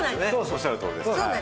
おっしゃるとおりです。